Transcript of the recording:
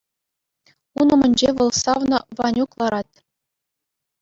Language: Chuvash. Ун умӗнче вӑл савнӑ Ванюк ларать.